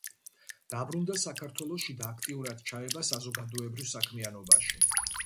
დაბრუნდა საქართველოში და აქტიურად ჩაება საზოგადოებრივ საქმიანობაში.